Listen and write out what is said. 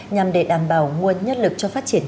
nhằm để đảm bảo nguồn nhất lực cho phát triển